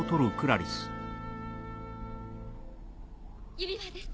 指輪です